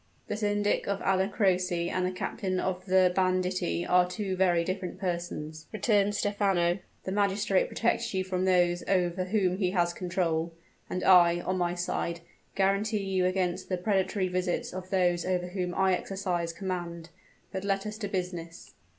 "The syndic of Alla Croce and the captain of the banditti are two very different persons," returned Stephano. "The magistrate protects you from those over whom he has control: and I, on my side, guaranty you against the predatory visits of those over whom I exercise command. But let us to business."